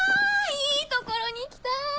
いいところに来た！